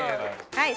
はい。